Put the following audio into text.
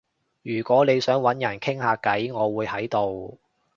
如果你想搵人傾下偈，我會喺度